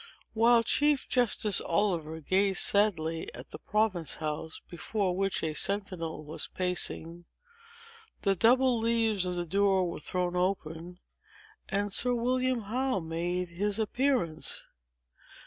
While Chief Justice Oliver gazed sadly at the Province House, before which a sentinel was pacing, the double leaves of the door were thrown open, and Sir William Howe made his appearance.